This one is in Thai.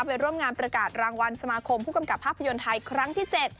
ไปร่วมงานประกาศรางวัลสมาคมผู้กำกับภาพยนตร์ไทยครั้งที่๗